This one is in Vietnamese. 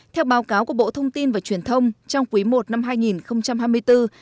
theo báo cáo của bộ thông tin và truyền thông trong quý i năm hai nghìn hai mươi bốn